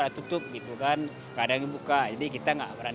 nah itu kan kerugiannya gimana